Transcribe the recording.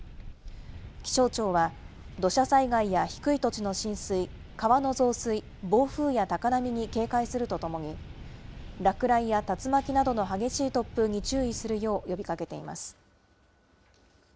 気象庁は、土砂災害や低い土地の浸水、川の増水、暴風や高波に警戒するとともに、落雷や竜巻などの激しい突風に注意するよう呼びかけています。